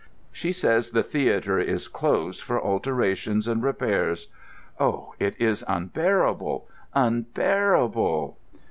—she says the theatre, is closed for alterations and repairs. Oh, it is unbearable, unbearable!"